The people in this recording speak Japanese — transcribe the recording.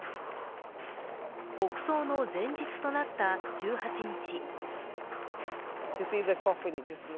国葬の前日となった１８日。